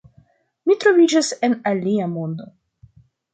Mi troviĝas en alia mondo.